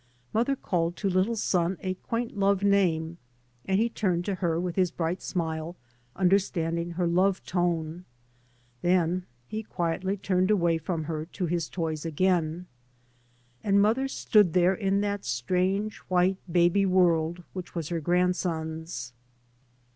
Mother called to little son a quatnt love name, and he turned to her with his bright smile, understanding her love tone. Then he quietly turned away from her to his toys again. And mother stood there in that strange white baby world which was her grandson's.